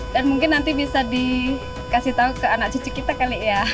dan mungkin nanti bisa dikasih tahu ke anak cucu kita kali ya